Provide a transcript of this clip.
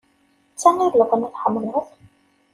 D ta i d leɣna tḥemmleḍ?